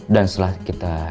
dan setelah kita